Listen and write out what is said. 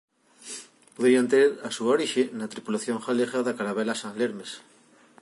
Poderían ter a súa orixe na tripulación galega da carabela San Lesmes.